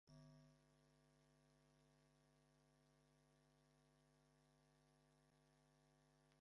This pitch is situated in the village's primary school grounds.